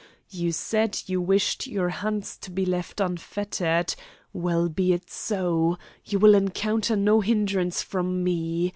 You said you wished your hands to be left unfettered. Well, be it so. You will encounter no hindrance from me.